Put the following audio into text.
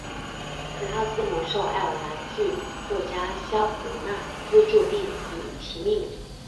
此套字母受爱尔兰剧作家萧伯纳资助并以其命名。